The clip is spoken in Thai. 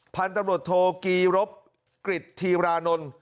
พันธุรกิรบกฤทธิรานนท์